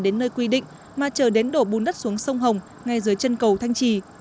đến nơi quy định mà chờ đến đổ bùn đất xuống sông hồng ngay dưới chân cầu thanh trì